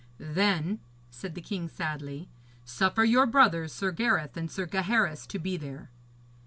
'Then,' said the king sadly, 'suffer your brothers, Sir Gareth and Sir Gaheris, to be there.'